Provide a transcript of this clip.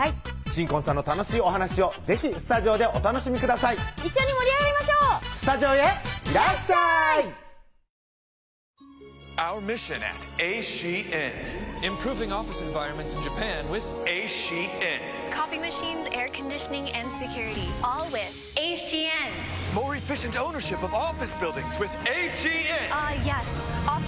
新婚さんの楽しいお話を是非スタジオでお楽しみください一緒に盛り上がりましょうスタジオへいらっしゃいああーいいねうわ